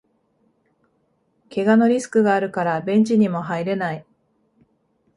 けがのリスクがあるからベンチにも入れない